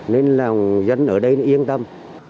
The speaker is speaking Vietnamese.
nên là người dân ở đây yên tâm